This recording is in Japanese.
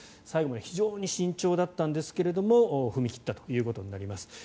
最後まで非常に慎重だったんですが踏み切ったことになります。